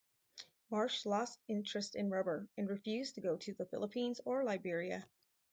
Marsh lost interest in rubber and refused to go to the Philippines or Liberia.